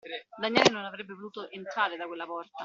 Daniele non avrebbe potuto entrare da quella porta.